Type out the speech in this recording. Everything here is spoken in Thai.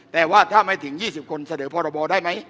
แต่ว่าถ้าไม่ถึง๒๐คนเสด็อกฎหมายได้ไหม